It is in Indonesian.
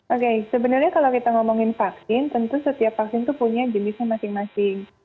oke sebenarnya kalau kita ngomongin vaksin tentu setiap vaksin itu punya jenisnya masing masing